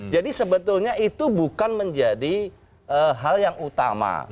jadi sebetulnya itu bukan menjadi hal yang utama